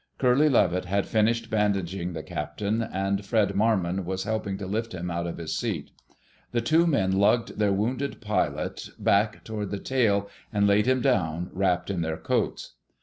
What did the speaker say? Curly Levitt had finished bandaging the captain, and Fred Marmon was helping to lift him out of his seat. The two men lugged their wounded pilot back toward the tail and laid him down, wrapped in their coats.